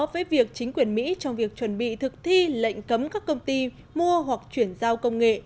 việc chuẩn bị thực thi lệnh cấm các công ty mua hoặc chuyển giao công nghệ